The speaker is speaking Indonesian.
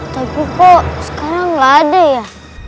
tapi kok sekarang nggak ada ya